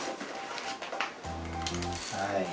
はい。